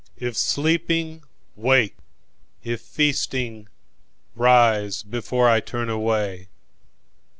"If sleeping, wake—if feasting, rise beforeI turn away.